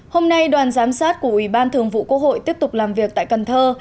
hôm nay đoàn giám sát của ủy ban thường vụ quốc hội tiếp tục làm việc tại cần thơ